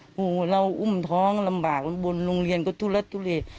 โอ้โหเราอุ้มท้องลำบากบนโรงเรียนก็ทุลักทุเล